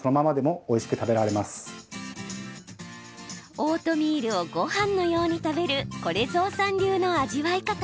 オートミールをごはんのように食べるこれぞうさん流の味わい方。